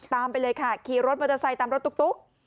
ไปเลยค่ะขี่รถมอเตอร์ไซค์ตามรถตุ๊ก